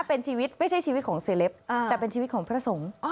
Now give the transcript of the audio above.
เป็นชีวิตไม่ใช่ชีวิตของเซลปแต่เป็นชีวิตของพระสงฆ์